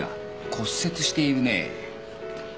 骨折しているね。